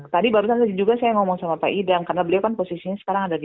tadi barusan tadi juga saya ngomong sama pak idam karena beliau kan posisinya sekarang ada di